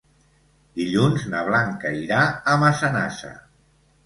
Dilluns na Blanca irà a Massanassa.